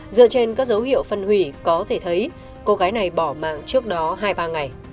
dựa trên các dấu hiệu phân hủy có thể thấy cô gái này bỏ mạng trước đó hai ba ngày